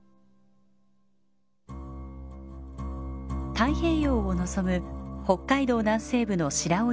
太平洋を望む北海道南西部の白老町。